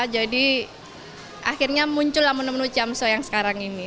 jadi akhirnya muncul namun namun ciamso yang sekarang ini